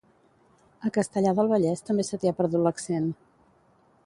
A Castellar del Vallès també se t'hi ha perdut l'accent